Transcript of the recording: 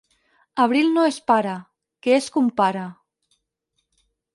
Abril no és pare, que és compare.